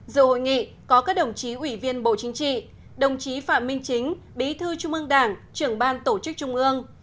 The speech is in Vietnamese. dự hội nghị có các đồng chí ủy viên bộ chính trị đồng chí phạm minh chính bí thư trung ương đảng trưởng ban tổ chức trung ương